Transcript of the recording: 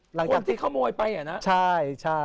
คนที่ขโมยไปอ่ะนะ